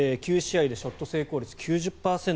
９試合でショット成功率９０％。